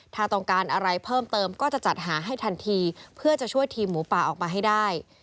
ถ้าต้องการอะไรเพิ่มเติมก็จะจัดหาให้ทันทีเพื่อจะช่วยทีมหมูป่าออกมาให้ได้